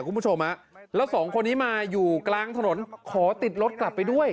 คุณผู้ชมฮะแล้วสองคนนี้มาอยู่กลางถนนขอติดรถกลับไปด้วย